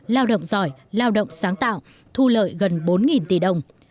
lao động giỏi lao động sáng tạo thu lợi gần bốn tỷ đồng